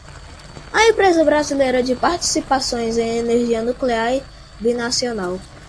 Empresa Brasileira de Participações em Energia Nuclear e Binacional